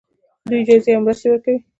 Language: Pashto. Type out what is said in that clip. دوی جایزې او مرستې ورکوي.